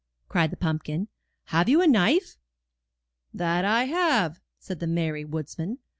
cried the pumpkin, have you a knife?" 'That I have," said the merry woodsman.